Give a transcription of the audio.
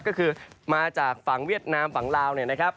ก็คือมาจากฝั่งเวียดนามฝั่งลาวเนี่ยนะครับ